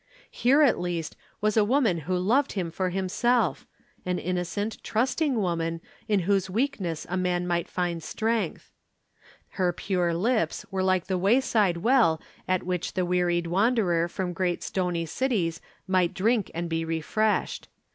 Here, at last, was a woman who loved him for himself an innocent, trusting woman in whose weakness a man might find strength. Her pure lips were like the wayside well at which the wearied wanderer from great stony cities might drink and be refreshed.